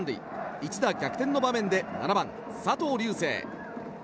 一打逆転の場面で７番、佐藤龍世。